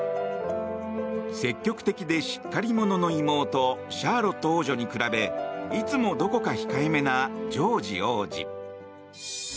積極的でしっかり者の妹シャーロット王女に比べいつも、どこか控えめなジョージ王子。